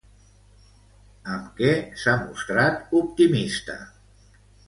Amb què s'ha mostrat optimista?